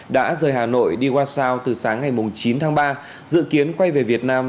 đã rời hà nội đi warsaw từ sáng ngày chín tháng ba dự kiến quay về việt nam